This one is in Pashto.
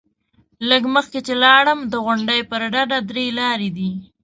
لږ مخکې چې لاړم، د غونډۍ پر ډډه درې لارې دي.